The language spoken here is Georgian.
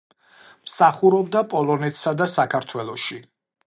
მსახურობდა პოლონეთსა და საქართველოში.